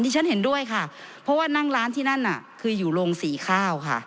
ฉันเห็นด้วยค่ะเพราะว่านั่งร้านที่นั่นน่ะคืออยู่โรงสีข้าวค่ะ